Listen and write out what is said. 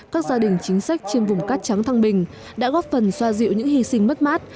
các gia đình chính sách trên vùng cát trắng thăng bình đã góp phần xoa dịu những hy sinh mất mát